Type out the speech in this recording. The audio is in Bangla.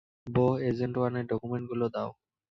বোহ, এজেন্ট ওয়ানের ডকুমেন্টগুলো দাও।